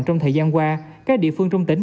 trong thời gian qua các địa phương trong tỉnh